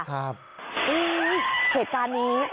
อืมเหตุการณ์นี้